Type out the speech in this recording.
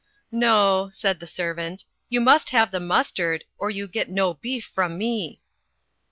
"No," said the servant, "you must have the mustard, or you get no beef from me."